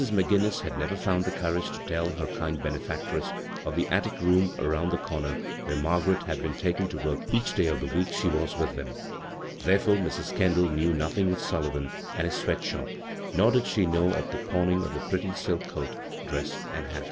McGinnis had never found the courage to tell her kind benefactress of the attic room around the comer where Margaret had been taken to work each day of the week she was with them ; therefore Mrs. Kendall knew nothing of Sullivan and his sweat shop, nor did she know of the pawning of the pret^ silk coat, dress and bat.